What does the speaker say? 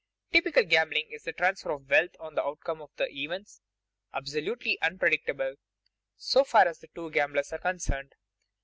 Typical gambling is the transfer of wealth on the outcome of events absolutely unpredictable, so far as the two gamblers are concerned.